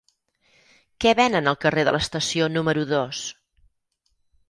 Què venen al carrer de l'Estació número dos?